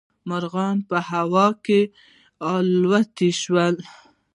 مارغان په هوا کې الوتلی شي